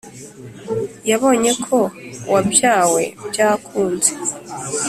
yabonye ko wabyawe byakunze,